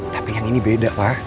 tapi kan ini beda pak